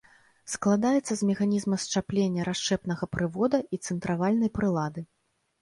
Складаецца з механізма счаплення расчэпнага прывода і цэнтравальнай прылады.